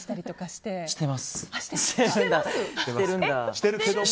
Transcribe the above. してるんだ。